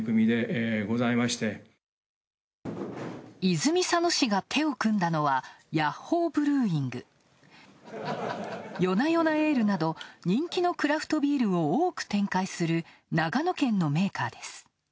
泉佐野市が手を組んだのはヤッホーブルーイング。よなよなエールなど、人気のクラフトビールを多く展開する長野県のメーカーです。